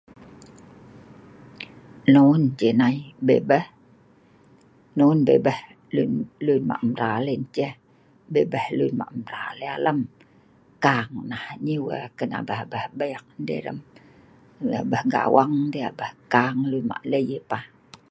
What are you talking about? Bag? What did your parents say? Old people used to say bag, right elbow- elbow bag, he said. Their goal elbow and their male elbow